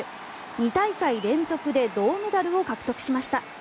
２大会連続で銅メダルを獲得しました。